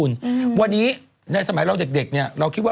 นางไม่สบายเนอะ